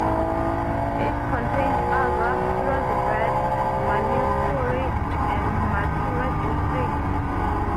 It contains Agra, Firozabad, Mainpuri and Mathura districts.